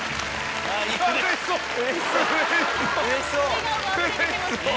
笑顔があふれ出てますね。